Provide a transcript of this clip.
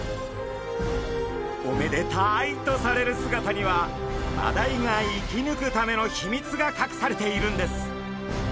おめでタイとされる姿にはマダイが生きぬくためのひみつがかくされているんです。